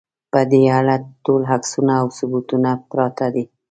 په دې اړه ټول عکسونه او ثبوتونه پراته دي.